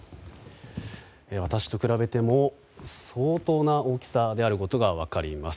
私と比べても相当な大きさであることが分かります。